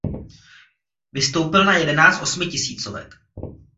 Vystoupil na jedenáct osmitisícovek.